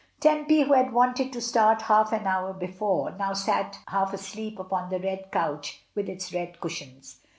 Tempy, who had wanted to start half an hour before, now sat half asleep upon the red couch with its red cushions.